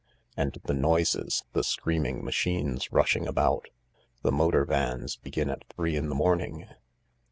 And the noises — the screaming machines rushing about. The motor vans begin at three in the morning.